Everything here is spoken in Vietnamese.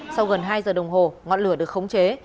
sau gần hai giờ đồng hồ ngọn lửa được khống chế